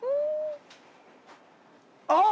あっ！